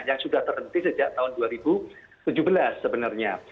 yang sudah terhenti sejak tahun dua ribu tujuh belas sebenarnya